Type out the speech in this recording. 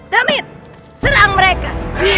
damit serang mereka